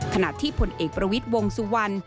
ขณะที่ผลเอกประวิทย์วงสุวรรณ